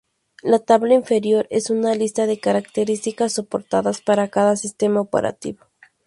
La tabla inferior es una lista de características soportadas para cada sistema operativo.